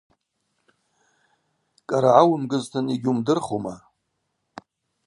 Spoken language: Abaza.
Кӏара гӏауымгызтын йгьуымдырхума?